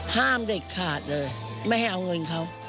ห้ามเด็ดขาดเลยไม่ให้เอาเงินเขา